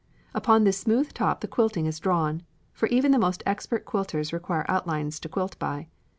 Upon this smooth top the quilting is drawn, for even the most expert quilters require outlines to quilt by.